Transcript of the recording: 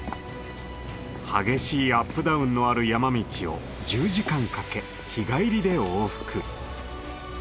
激しいアップダウンのある山道を１０時間かけ日帰りで往復。